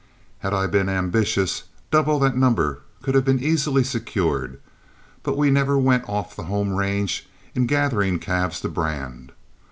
Had I been ambitious, double that number could have been easily secured, but we never went off the home range in gathering calves to brand.